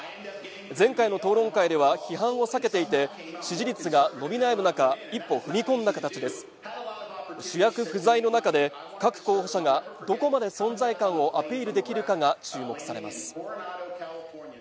前回の討論会では批判を避けていて支持率が伸び悩む中一歩踏み込んだ形です不在の中で各候補者がどこまで存在感をアピールできるかが注目されます